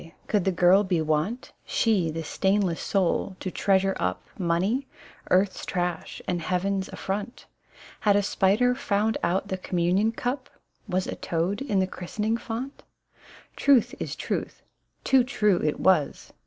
Could the girl be wont (She the stainless soul) to treasure up Money, earth's trash and heaven's affront? Had a Bpider found out the communion cup, Was a toad in the christening font? Truth is truth : too true it was.